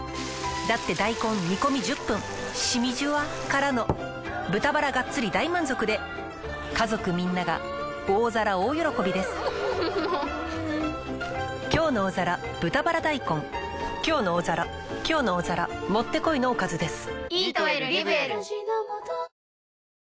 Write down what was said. だって大根煮込み１０分しみじゅわからの豚バラがっつり大満足で家族みんなが大皿大喜びです「きょうの大皿」「きょうの大皿」もってこいのおかずです。